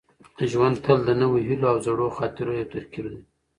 ژوند تل د نویو هیلو او زړو خاطرو یو ترکیب وي.